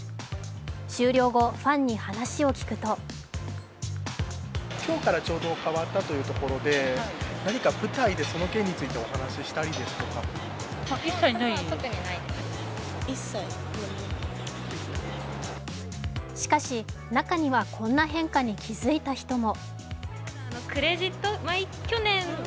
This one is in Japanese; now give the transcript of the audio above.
終了後、ファンに話を聞くとしかし、中にはこんな変化に気づいた人も。